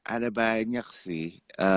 ada banyak sih